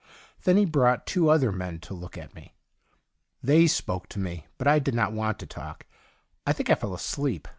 Then he brought two other men to look at me. They spoke to me, but I did 11 THE DIARY OF A GOD not want to talk. I think I fell asleep.